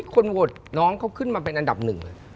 คนโหวตน้องเขาขึ้นมาเป็นอันดับหนึ่งเลย